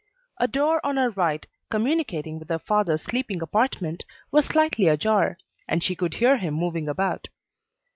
A door on her right, communicating with her father's sleeping apartment, was slightly ajar, and she could hear him moving about.